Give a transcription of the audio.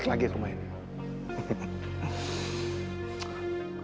balik lagi ke rumah ini